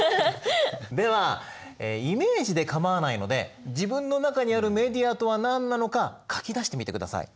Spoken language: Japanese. ではイメージで構わないので自分の中にあるメディアとは何なのか書き出してみてください。